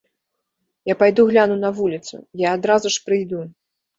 Я пайду гляну на вуліцу, я адразу ж прыйду.